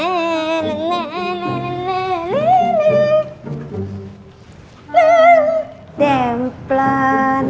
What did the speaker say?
dan jangan lupa like share dan subscribe